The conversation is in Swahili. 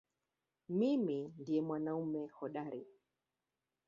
Mimi ndiye mwanamume hodari